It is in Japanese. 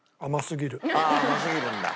甘すぎるんだ。